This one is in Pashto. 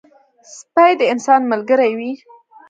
سپي د انسان ملګری وي.